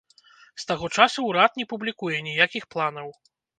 З таго часу ўрад не публікуе ніякіх планаў.